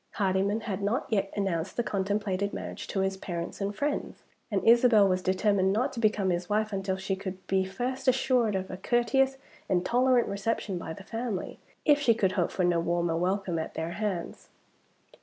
Hardyman had not yet announced the contemplated marriage to his parents and friends; and Isabel was determined not to become his wife until she could be first assured of a courteous and tolerant reception by the family if she could hope for no warmer welcome at their hands.